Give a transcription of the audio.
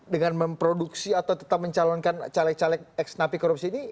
dengan memproduksi atau tetap mencalonkan caleg caleg ex napi korupsi ini